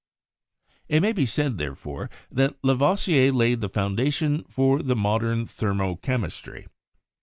164 CHEMISTRY It may be said, therefore, that Lavoisier laid the foun dation for the modern thermo chemistry.